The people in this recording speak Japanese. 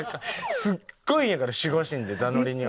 すっごいんやから守護神でザノリニ。